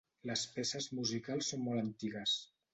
Les peces musicals són molt antigues.